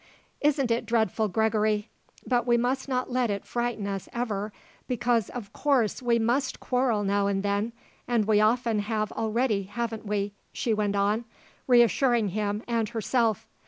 "Isn't it dreadful, Gregory. But we must not let it frighten us, ever, because of course we must quarrel now and then. And we often have already, haven't we," she went on, reassuring him, and herself.